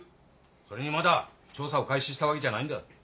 それにまだ調査を開始したわけじゃないんだ。